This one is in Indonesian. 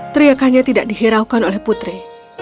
teriakannya tidak dihiraukan oleh putri